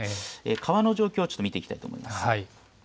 川の状況をちょっと見ていきたいと思います。